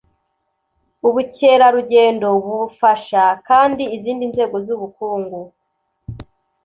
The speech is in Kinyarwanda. Ubukerarugendo bufasha kandi izindi nzego z'ubukungu